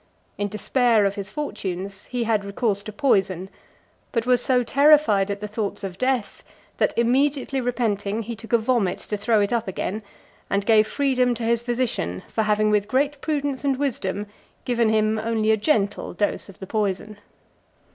In despair of his fortunes, he had recourse to poison, but was so terrified at the thoughts of death, that, immediately repenting, he took a vomit to throw it up again, and gave freedom to his physician for having, with great prudence and wisdom, given him only a gentle dose of the poison.